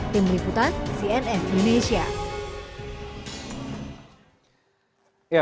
tim liputan cnn indonesia